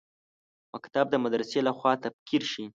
مکتب د مدرسې لخوا تکفیر شي.